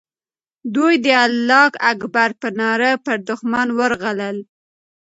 دوی د الله اکبر په ناره پر دښمن ورغلل.